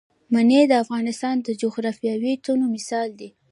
منی د افغانستان د جغرافیوي تنوع مثال دی.